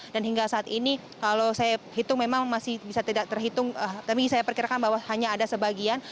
dan hingga saat ini kalau saya hitung memang masih bisa tidak terhitung tapi saya perkirakan bahwa hanya ada sebagian